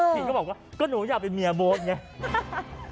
พี่ก็บอกว่าก็หนูอยากเป็นเมียโบ๊ทไง